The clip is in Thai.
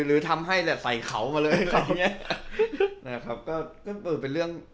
หรือทำให้ใส่เขามาเลย